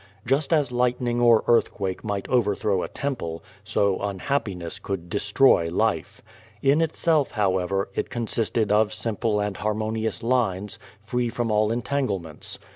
Just as lightning or earthquake might: overthrow a temple, so unhappiness could destroy life. In itself, however, it consisted of simple and harmonious lines, free from all entanglements.